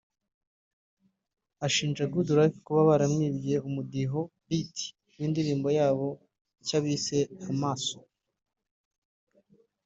ashinja Good Life kuba baramwibye umudiho(beat) w’indirimbo yabo nshya bise Amaaso